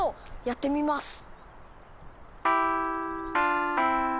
やってみます。